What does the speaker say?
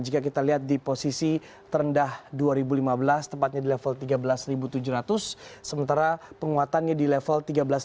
jika kita lihat di posisi terendah dua ribu lima belas tepatnya di level tiga belas tujuh ratus sementara penguatannya di level tiga belas lima ratus